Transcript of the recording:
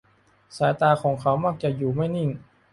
สายตาของเขามักจะอยู่ไม่นิ่ง